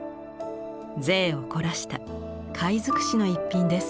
贅を凝らした貝尽くしの一品です。